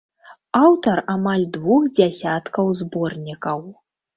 Аўтар амаль двух дзясяткаў зборнікаў.